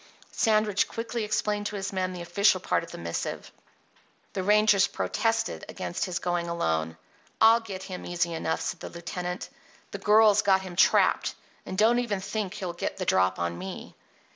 Sandridge quickly explained to his men the official part of the missive. The rangers protested against his going alone. "I'll get him easy enough," said the lieutenant. "The girl's got him trapped. And don't even think he'll get the drop on me."